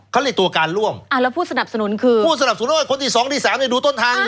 เขาเรียกตัวการร่วมอ่าแล้วผู้สนับสนุนคือผู้สนับสนุนร่วมคนที่สองที่สามเนี่ยดูต้นทาง